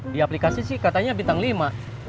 di aplikasi sih katanya bintang lima